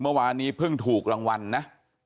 เมื่อวานนี้เพิ่งถูกรางวัลนะ